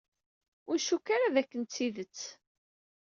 Ur ncukk ara d akken d tidet.